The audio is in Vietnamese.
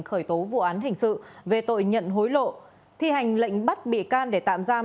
khởi tố vụ án hình sự về tội nhận hối lộ thi hành lệnh bắt bị can để tạm giam